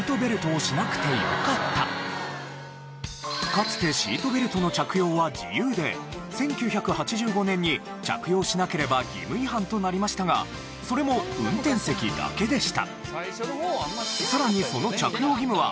かつてシートベルトの着用は自由で１９８５年に着用しなければ義務違反となりましたがそれも運転席だけでした。